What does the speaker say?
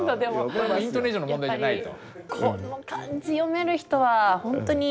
これはイントネーションの問題じゃないと。